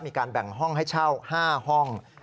มีการแบ่งห้องให้เช่า๕ห้อง